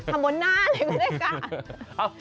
ทำบนหน้าเลยก็ได้กลับ